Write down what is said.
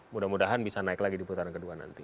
mudah mudahan bisa naik lagi di putaran kedua nanti